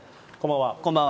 こんばんは。